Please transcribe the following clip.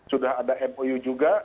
sudah ada mou juga